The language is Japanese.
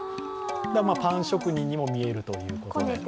パン職人にも見えるという。